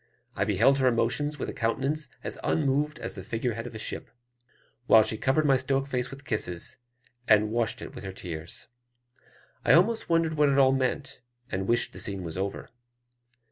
I beheld her emotions with a countenance as unmoved as the figure head of a ship; while she covered my stoic face with kisses, and washed it with her tears. I almost wondered what it all meant, and wished the scene was over.